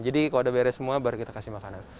jadi kalau udah beres semua baru kita kasih makanan